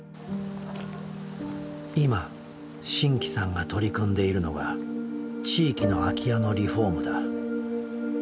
今真気さんが取り組んでいるのが地域の空き家のリフォームだ。